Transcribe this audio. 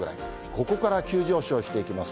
ここから急上昇していきます。